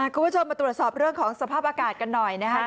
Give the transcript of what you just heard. คุณผู้ชมมาตรวจสอบเรื่องของสภาพอากาศกันหน่อยนะครับ